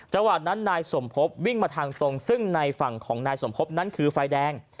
จังหวัดนั้นนายสมพบวิ่งมาทางตรงซึ่งในฝั่งของนายสมพบนั้นคือไฟแดง